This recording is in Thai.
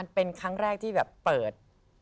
เป็นครั้งแรกที่แบบเปิด